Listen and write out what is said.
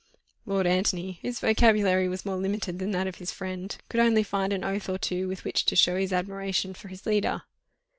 Lord Antony, whose vocabulary was more limited than that of his friend, could only find an oath or two with which to show his admiration for his leader.